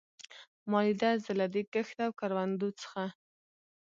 ما لیده، زه له دې کښت او کروندو څخه.